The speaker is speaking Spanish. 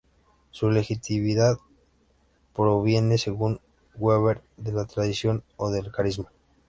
Su legitimidad proviene según Weber de la tradición o del carisma.